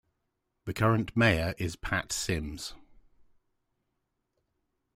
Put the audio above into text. The current mayor is Pat Sims.